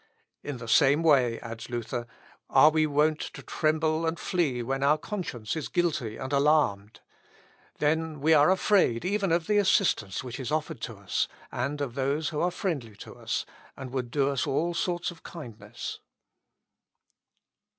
"In the same way," adds Luther, "are we wont to tremble and flee when our conscience is guilty and alarmed. Then we are afraid even of the assistance which is offered to us, and of those who are friendly to us, and would do us all sorts of kindness."